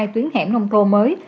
hai tuyến hẻm nông thô mới